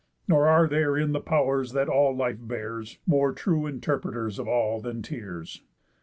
Nor are there in the pow'rs that all life bears More true interpreters of all than tears.